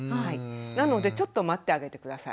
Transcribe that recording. なのでちょっと待ってあげて下さい。